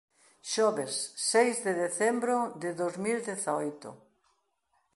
Xoves, seis de decembro de dous mil dezaoito